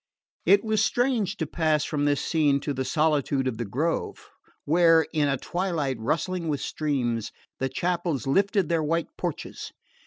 It was strange to pass from this scene to the solitude of the grove, where, in a twilight rustling with streams, the chapels lifted their white porches.